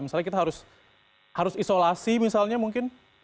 misalnya kita harus isolasi misalnya mungkin